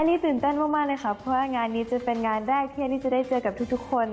อันนี้ตื่นเต้นมากเลยค่ะเพราะว่างานนี้จะเป็นงานแรกที่อันนี้จะได้เจอกับทุกคน